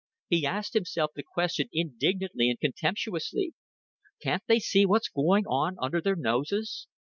He asked himself the question indignantly and contemptuously. "Can't they see what's going on under their noses?